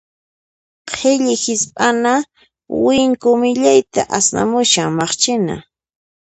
Qhilli hisp'ana winku millayta asnamushan, maqchina.